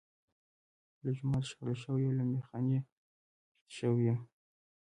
له جوماته شړل شوی او له میخا نه رد شوی یم.